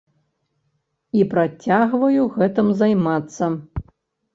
І працягваю гэтым займацца.